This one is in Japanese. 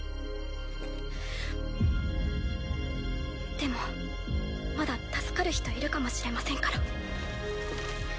でもまだ助かる人いるかもしれませんから。